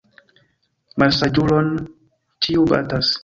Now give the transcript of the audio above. Malsaĝulon ĉiu batas.